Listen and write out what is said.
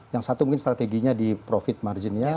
yang satu mungkin strateginya di profit marginnya